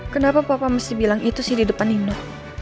kenapa papa mesti bilang itu sih di depan indo